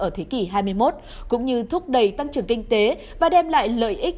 ở thế kỷ hai mươi một cũng như thúc đẩy tăng trưởng kinh tế và đem lại lợi ích